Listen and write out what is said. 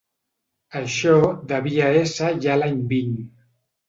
Això devia ésser allà a l'any vint.